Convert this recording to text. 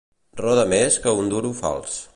Roda més que un duro fals.